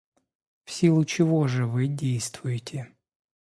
В силу чего же вы действуете?